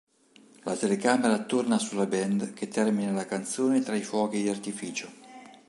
La telecamera torna sulla band che termina la canzone tra i fuochi di artificio.